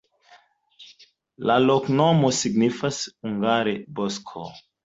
La loknomo signifas hungare: bosko.